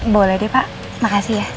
boleh deh pak makasih ya